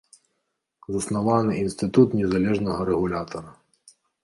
Заснаваны інстытут незалежнага рэгулятара.